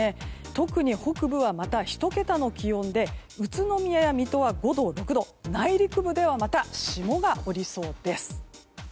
特に北部は、また１桁の気温で宇都宮や水戸は５度、６度と内陸部ではまた霜が降りそうです。